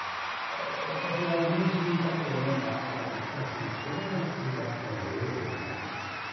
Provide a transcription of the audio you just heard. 私がイギリスにいた頃読んだ学会誌にそのような記事があったのを覚えておりまして。